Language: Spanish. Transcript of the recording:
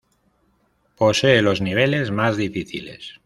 Posee los niveles más difíciles.